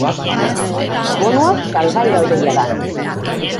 Bonuak salgai daude jada.